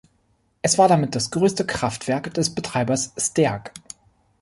Es war damit das größte Kraftwerk des Betreibers Steag.